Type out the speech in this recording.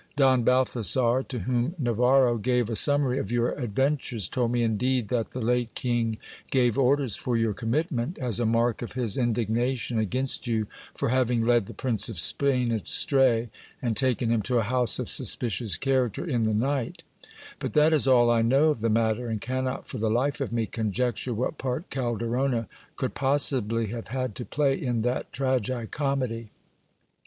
Don Balthasar, to whom Navarro gave a summary of your adventures, told me indeed that the late king gave orders for your commitment, as a mark of his indignation against you for having led the Prince of Spain astray, and taken him to a house of suspicious character in the night : but that is all I know of the matter, and cannot for the life of me conjecture what part Calderona could possibly have had to play in that tragi comedy.